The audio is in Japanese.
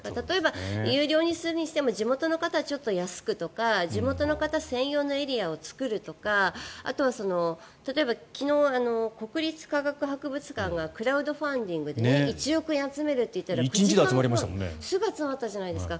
有料にするにしても地元の方はちょっと安くとか地元の方専用のエリアを作るとかあとは、例えば昨日、国立科学博物館がクラウドファンディングで１億円集めるって言ったらすぐ集まったじゃないですか。